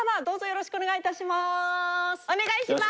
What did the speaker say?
よろしくお願いします。